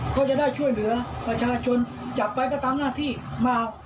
ก็จะได้ช่วยเหลือประชาชนจากไปก็ตามหน้าที่มาก